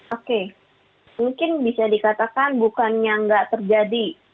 oke mungkin bisa dikatakan bukannya nggak terjadi